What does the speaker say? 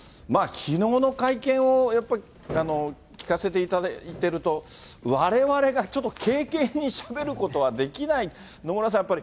きのうの会見をやっぱり聞かせていただいてると、われわれがちょっと軽々にしゃべることはできない、野村さん